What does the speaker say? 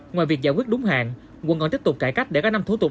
ngoài việc giải quyết đúng hạn quận còn tiếp tục cải cách để các năm thủ tục